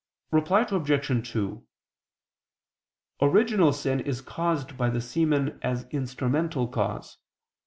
Reply Obj. 2: Original sin is caused by the semen as instrumental cause.